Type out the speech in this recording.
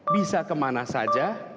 bisa kemana saja